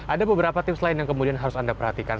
ada beberapa tips lain yang kemudian harus anda perhatikan